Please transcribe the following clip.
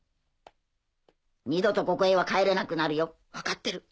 二度とここへは帰れなくなるよ。分かってる。